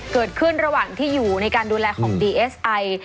เกิดขึ้นระหว่างที่อยู่ในการดูแลของดีเอสไอ